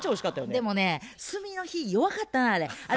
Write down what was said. でもね炭の火弱かったなあれ。